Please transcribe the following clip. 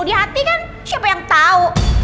di hati kan siapa yang tahu